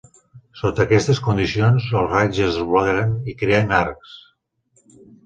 Sota aquestes condicions, els raigs es dobleguen i creen arcs.